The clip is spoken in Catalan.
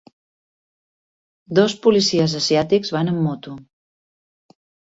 Dos policies asiàtics van amb moto.